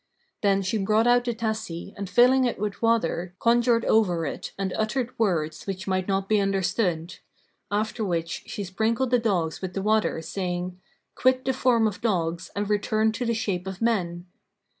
Then she brought out the tasse and filling it with water, conjured over it and uttered words which might not be understood; after which she sprinkled the dogs with the water saying, "Quit the form of dogs and return to the shape of men!"